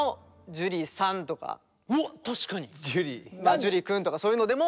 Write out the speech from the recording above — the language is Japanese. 樹君とかそういうのでも。